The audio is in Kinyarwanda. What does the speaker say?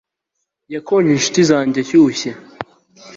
yakonje inshuti zanjye, ashyushye